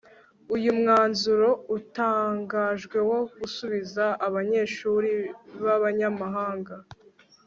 uyu mwanzuro utangajwe wo gusubiza abanyeshuri b'abanyamahanga